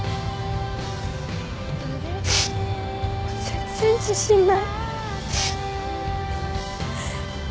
全然自信ない。